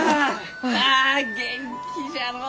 あ元気じゃのう。